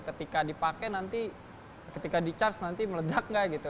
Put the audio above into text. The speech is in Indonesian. ketika dipakai nanti ketika di charge nanti meledak nggak gitu